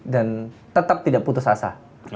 dan tetap tidak putus asa